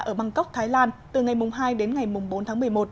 ở bangkok thái lan từ ngày hai đến ngày bốn tháng một mươi một